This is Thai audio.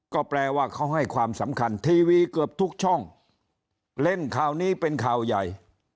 ก็แปลว่าเขาให้ความสำคัญทีวีเกือบทุกช่องเล่นข่าวนี้เป็นข่าวใหญ่